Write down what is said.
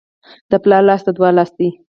د پلار لاس د دعا لاس دی.